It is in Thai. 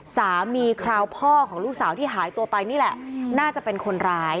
คราวพ่อของลูกสาวที่หายตัวไปนี่แหละน่าจะเป็นคนร้าย